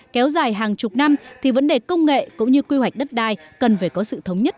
kéo dài hàng chục năm thì vấn đề công nghệ cũng như quy hoạch đất đai cần phải có sự thống nhất